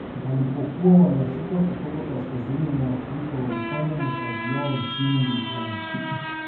Walipokuwa wanashuka kutoka kaskazini mwa Afrika walifanya makazi yao nchini Uganda